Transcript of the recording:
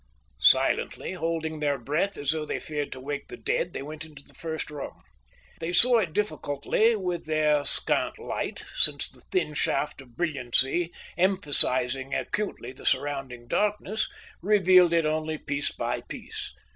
Silently, holding their breath as though they feared to wake the dead, they went into the first room. They saw it difficultly with their scant light, since the thin shaft of brilliancy, emphasising acutely the surrounding darkness, revealed it only piece by piece.